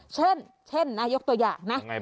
เช่นนายกตัวอย่างนะ